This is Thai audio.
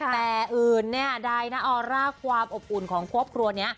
แต่อื่นไดนอร่าความอบอุ่นของครัวครัวนี้